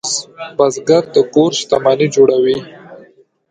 بزګر د کور شتمني جوړوي